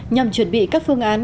nhằm chuẩn bị các phương án